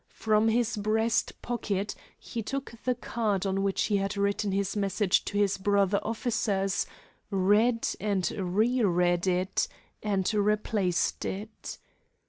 From his breast pocket he took the card on which he had written his message to his brother officers, read and reread it, and replaced it.